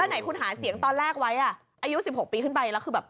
แล้วไหนคุณหาเสียงตอนแรกไว้อายุ๑๖ปีขึ้นไปแล้ว